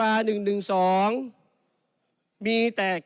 มีแต่กฎหมายเดียวกับคุณพิธานี่แหละครับ